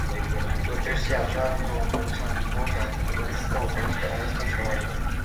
როჯერსი ამჟამად დიდი ლონდონის სამმართველოს არქიტექტურისა და ურბანიზმის პანელის თავმჯდომარეა.